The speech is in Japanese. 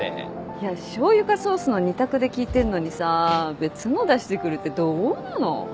いやしょうゆかソースの２択で聞いてんのにさ別の出してくるってどうなの？